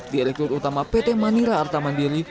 direktur utama pt manira artamandiri